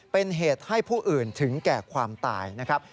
เป็นเหตุให้ผู้อื่นถึงแก่ความตายนะครับ